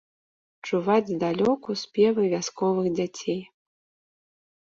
Чуваць здалёку спевы вясковых дзяцей.